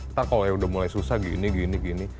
ntar kalau udah mulai susah gini gini